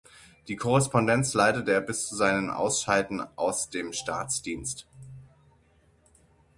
Die Korrespondenz leitete er bis zu seinem Ausscheiden aus dem Staatsdienst.